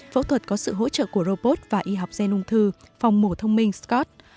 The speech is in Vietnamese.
phẫu thuật có sự hỗ trợ của robot và y học gen ung thư phòng mổ thông minh scott